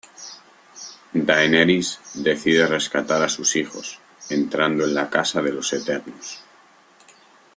Daenerys decide rescatar a sus "hijos" entrando en la Casa de los Eternos.